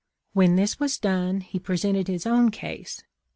" When this was done he presented his own case.